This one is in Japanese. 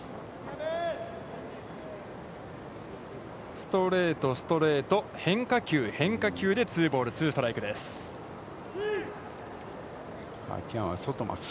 ストレート、ストレート、変化球、変化球でツーボール、ツーストライクです。